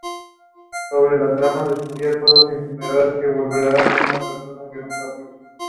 It was still open to the faithful as well.